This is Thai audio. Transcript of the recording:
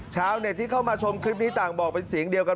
ชาวเน็ตที่เข้ามาชมคลิปนี้ต่างบอกเป็นเสียงเดียวกัน